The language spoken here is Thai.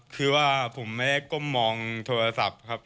คือว่าผมไม่ได้ก้มมองโทรศัพท์ครับ